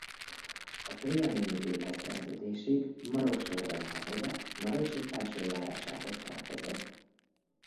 A trianoni békeszerződésig Maros-Torda vármegye Marosi felső járásához tartozott.